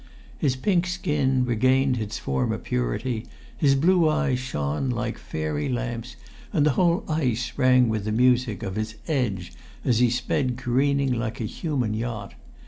His pink skin regained its former purity, his blue eyes shone like fairy lamps, and the whole ice rang with the music of his "edge" as he sped careening like a human yacht.